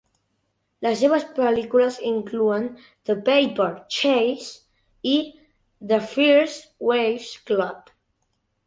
Les seves pel·lícules inclouen "The Paper Chase" i "The First Wives Club".